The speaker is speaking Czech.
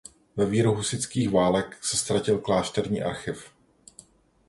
Ve víru husitských válek se ztratil klášterní archiv.